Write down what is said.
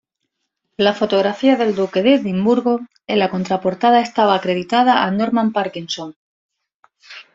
La fotografía del Duque de Edimburgo en la contraportada estaba acreditada a Norman Parkinson.